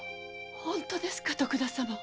本当ですか徳田様？